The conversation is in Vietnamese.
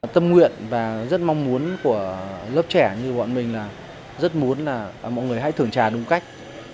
tâm nguyện và rất mong muốn của lớp trẻ như bọn mình là rất muốn là mọi người hãy thưởng trà đúng cách